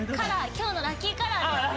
今日のラッキーカラーだよ緑。